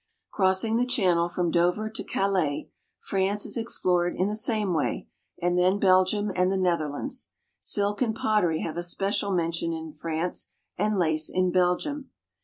Crossing the Channel from Dover to Calais, France is explored in the same way, and then Belgium and the Netherlands. Silk and pottery have especial mention in France, and lace in Belgium.